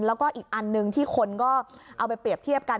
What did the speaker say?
แล้วก็อีกอันหนึ่งที่คนก็เอาไปเปรียบเทียบกัน